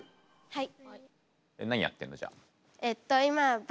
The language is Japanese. はい。